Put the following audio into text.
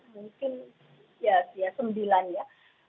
mungkin sembilan ya